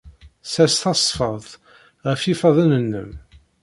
Ssers tasfeḍt ɣef yifadden-nnem.